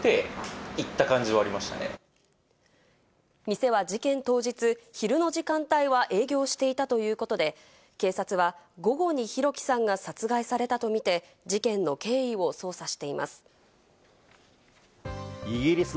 店は事件当日、昼の時間帯は営業していたということで、警察は午後に弘輝さんが殺害されたとみて、事件の経緯を捜査しています。